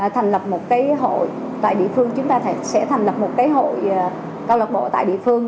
thành lập một cái hội tại địa phương chúng ta sẽ thành lập một cái hội câu lạc bộ tại địa phương